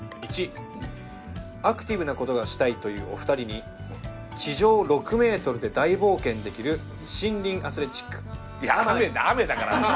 「１アクティブな事がしたいというお二人に地上６メートルで大冒険できる森林アスレチックあまぎ」